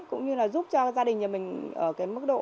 cũng như là giúp cho gia đình nhà mình ở cái mức độ